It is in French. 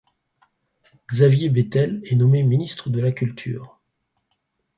Xavier Bettel est nommé ministre de la Culture.